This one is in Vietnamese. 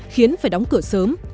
khiến phải đóng cửa sớm